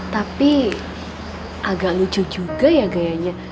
tapi agak lucu juga ya kayaknya